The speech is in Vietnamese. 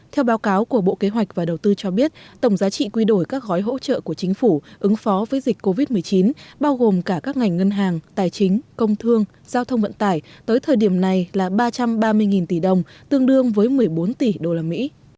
theo báo cáo của bộ kế hoạch và đầu tư cho biết tổng giá trị quy đổi các gói hỗ trợ của chính phủ ứng phó với dịch covid một mươi chín bao gồm cả các ngành ngân hàng tài chính công thương giao thông vận tải tới thời điểm này là ba trăm ba mươi tỷ đồng tương đương với một mươi bốn tỷ usd